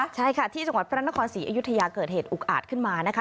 ใช่ค่ะที่จังหวัดพระนครศรีอยุธยาเกิดเหตุอุกอาจขึ้นมานะคะ